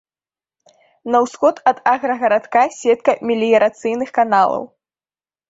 На ўсход ад аграгарадка сетка меліярацыйных каналаў.